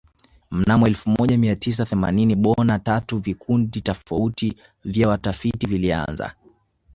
Mnamo elfu moja Mia tisa themanini bona tatu vikundi tofauti vya watafiti vilianza